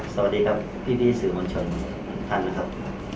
สวัสดีครับพี่ดีสื่อมันชนท่านนะครับ